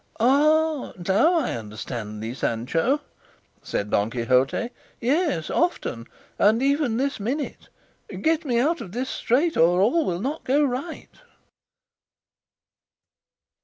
"Ah! now I understand thee, Sancho," said Don Quixote; "yes, often, and even this minute; get me out of this strait, or all will not go right."